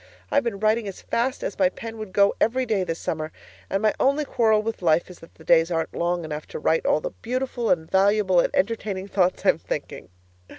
I've been writing as fast as my pen would go every day this summer, and my only quarrel with life is that the days aren't long enough to write all the beautiful and valuable and entertaining thoughts I'm thinking.